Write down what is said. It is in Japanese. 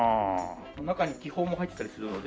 中に気泡も入ってたりするので。